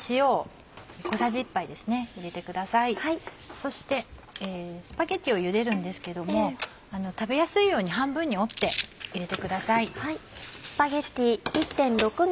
そしてスパゲティをゆでるんですけども食べやすいように半分に折って入れてください。